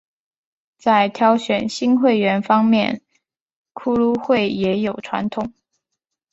在挑选新会员方面骷髅会也有传统。